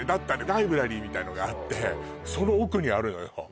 ライブラリーみたいなのがあってその奥にあるのよ